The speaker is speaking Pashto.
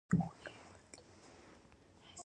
مظروفیت علاقه؛ مظروف ذکر سي او مراد ځني ظرف يي.